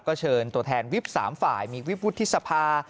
ก็เชิญตัวแทนวิบ๓ฝ่ายมีวิบวุฒิสภา